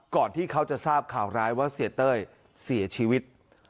ที่เขาจะทราบข่าวร้ายว่าเสียเต้ยเสียชีวิต